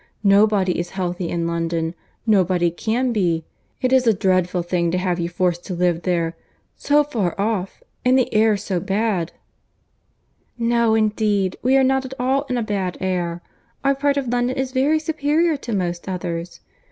Nobody is healthy in London, nobody can be. It is a dreadful thing to have you forced to live there! so far off!—and the air so bad!" "No, indeed—we are not at all in a bad air. Our part of London is very superior to most others!